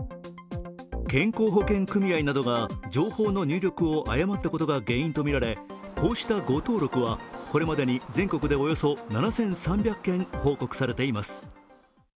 健康保険組合などが情報の入力を誤ったことが原因とみられこうした誤登録はこれまでに全国でおよそ７３００件報告されています。